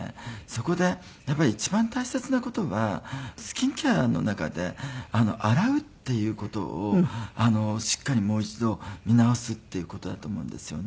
そこで一番大切な事はスキンケアの中で洗うっていう事をしっかりもう一度見直すっていう事だと思うんですよね。